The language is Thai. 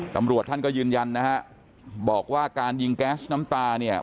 ตำรวจท่านก็ยืนยันนะฮะบอกว่าการยิงแก๊สน้ำตาเนี่ย